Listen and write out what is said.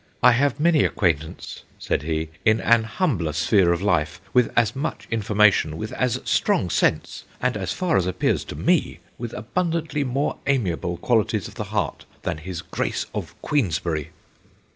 'I have many acquaintance/ says he, 'in an humbler sphere of life, with as much information, with as strong sense, and, as far as appears to me, with abund antly more amiable qualities of the heart, than his Grace of Queensberry.'